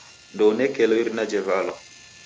Ndounekelo irina jevalwa.